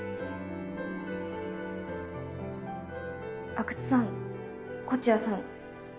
阿久津さん東風谷さん。